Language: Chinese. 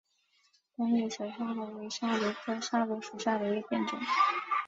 光叶小黑桫椤为桫椤科桫椤属下的一个变种。